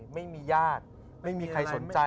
ไม่มีญาติไม่มีใครสนใจ